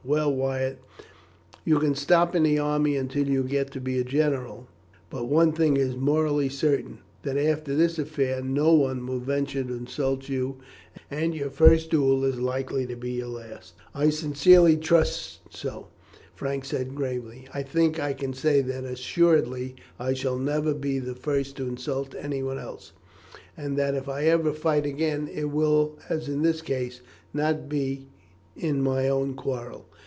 Well, Wyatt, you can stop in the army until you get to be a general, but one thing is morally certain, that after this affair no one will venture to insult you, and your first duel is likely to be your last." "I sincerely trust so," Frank said gravely. "I think I can say that assuredly I shall never be the first to insult anyone else, and that if ever I fight again, it will, as in this case, not be in my own quarrel."